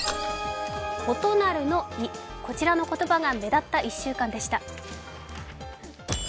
異なるの「異」、こちらの言葉が目立った１週間でした。